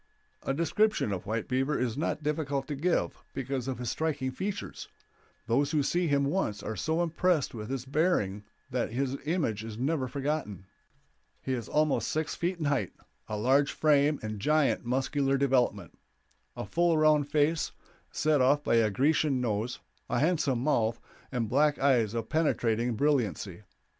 A description of White Beaver is not difficult to give, because of his striking features; those who see him once are so impressed with his bearing that his image is never forgotten. He is almost six feet in height, of large frame and giant muscular development; a full round face, set off by a Grecian nose, a handsome mouth, and black eyes of penetrating brilliancy.